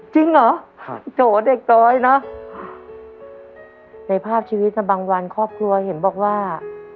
จริงเหรอโจเด็กน้อยเนอะในภาพชีวิตบางวันครอบครัวเห็นบอกว่า